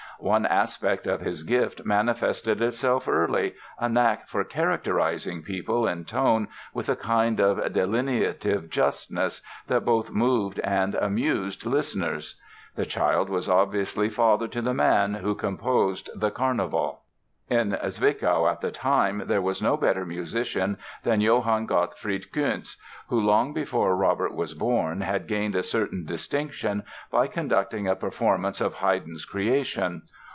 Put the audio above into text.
One aspect of his gift manifested itself early—a knack for "characterizing" people in tone with a kind of delineative justness that both moved and amused listeners. The child was obviously father to the man who composed the "Carnival"! In Zwickau at the time there was no better musician than Johann Gottfried Kuntzsch, who long before Robert was born, had gained a certain distinction by conducting a performance of Haydn's "Creation".